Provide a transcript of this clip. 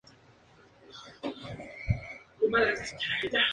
Estudió historia del arte en Roma, París y Múnich.